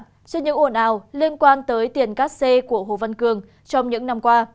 trên những ổn ào liên quan tới tiền cát xe của hồ văn cường trong những năm qua